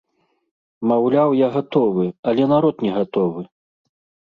Маўляў, я гатовы, але народ не гатовы.